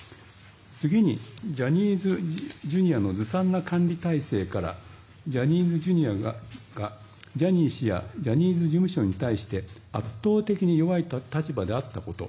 次にジャニーズＪｒ．のずさんな管理体制からジャニーズＪｒ．がジャニー氏やジャニーズ事務所に対して圧倒的に弱い立場であったこと。